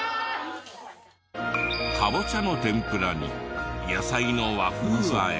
カボチャの天ぷらに野菜の和風あえ。